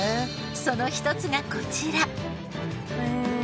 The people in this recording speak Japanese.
その一つがこちら。